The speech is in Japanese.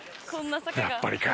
やっぱりか。